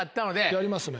やりますね。